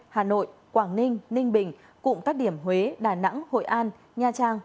hà nội quảng ninh ninh bình cụm các điểm huế đà nẵng hội an nha trang